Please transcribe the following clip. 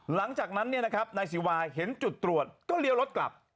หลังจากนั้นนายศิวาเห็นจุดตรวจก็เลี้ยวรถกลับ